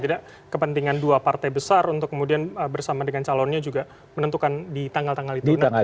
tidak kepentingan dua partai besar untuk kemudian bersama dengan calonnya juga menentukan di tanggal tanggal itu